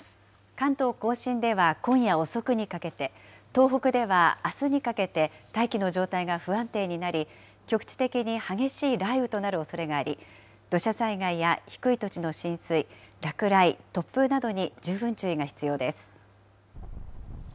関東甲信では今夜遅くにかけて、東北ではあすにかけて、大気の状態が不安定になり、局地的に激しい雷雨となるおそれがあり、土砂災害や低い土地の浸水、落雷、突風などに十分注意が必要です。